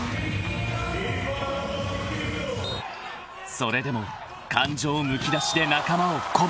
［それでも感情むき出しで仲間を鼓舞］